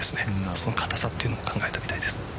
その硬さというのを考えたみたいです。